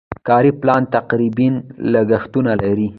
کاري پلان تقریبي لګښتونه لري.